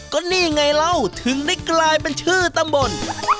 ก็นี่ไงเล่าถึงได้กลายเป็นชื่อตำบล